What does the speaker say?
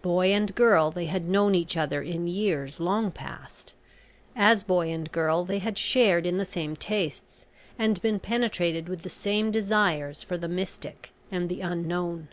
Boy and girl they had known each other in years long past. As boy and girl they had shared in the same tastes, and been penetrated with the same desires for the Mystic and the Unknown.